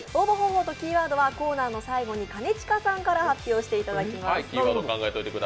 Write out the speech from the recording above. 応募方法とキーワードは、コーナーの最後に兼近さんから発表してもらいます。